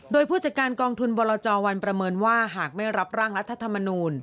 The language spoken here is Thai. โดยผู้จัดการกองทุนบรจวันประเมินว่าหากไม่รับร่างรัฐธรรมนูล